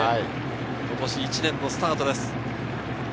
今年１年のスタートです。